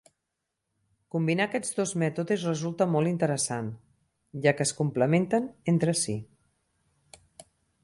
Combinar aquests dos mètodes resulta molt interessant, ja que es complementen entre si.